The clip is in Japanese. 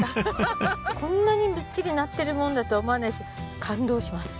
こんなにみっちりなってるものだとは思わないし感動します。